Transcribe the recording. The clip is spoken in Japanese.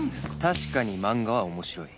確かに漫画は面白い